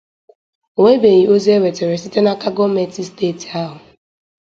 o nwebeghị ozi e nwetara site n'aka gọọmenti steeti ahụ